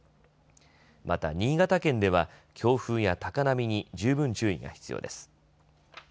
また、新潟県では強風や高波に十分注意が必要です。